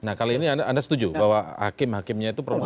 nah kali ini anda setuju bahwa hakim hakimnya itu profesi